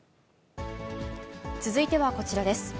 続いてはこちらです。